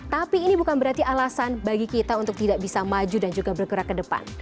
tapi ini bukan berarti alasan bagi kita untuk tidak bisa maju dan juga bergerak ke depan